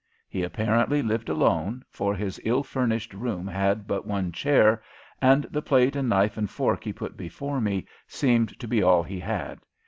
He apparently lived alone, for his ill furnished room had but one chair, and the plate and knife and fork he put before me seemed to be all he had.